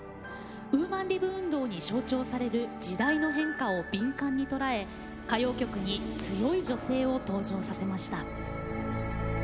ウーマン・リブ運動に象徴される時代の変化を敏感に捉え歌謡曲に強い女性を登場させました。